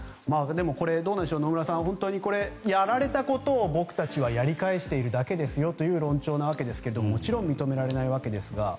野村さん、本当にこれやられたことを僕たちはやり返しているだけですよという論調なわけですが、もちろん認められないわけですが。